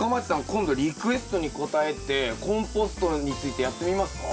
今度リクエストに応えてコンポストについてやってみますか？